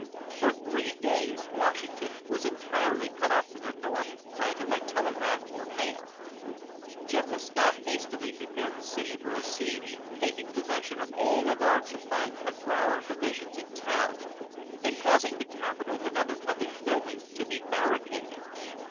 For three days Washington was entirely cut off from the North, either by telegraph or mail. General Scott hastily prepared the city for a siege, taking possession of all the large supplies of flour and provisions in town, and causing the Capitol and other public buildings to be barricaded.